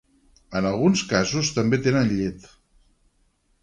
En alguns casos també tenen llet.